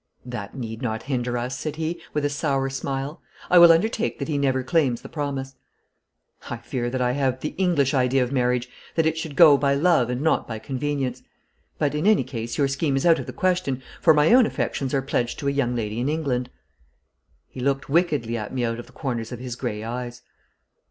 'That need not hinder us,' said he, with a sour smile; 'I will undertake that he never claims the promise.' 'I fear that I have the English idea of marriage, that it should go by love and not by convenience. But in any case your scheme is out of the question, for my own affections are pledged to a young lady in England.' He looked wickedly at me out of the corners of his grey eyes.